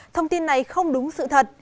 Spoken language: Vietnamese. thông tin này không đúng sự thật